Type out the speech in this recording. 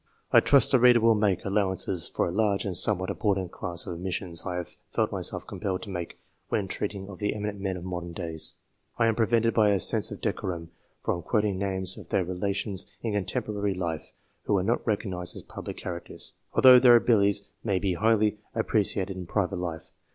I trust the reader will make allowance for a large and somewhat important class of omissions I have felt myself compelled to make when treating of the eminent men of modern days. I am prevented by a sense of decorum from quoting names of their relations in contemporary life who are not recognized as public characters, although their abilities may be highly appreciated in private life.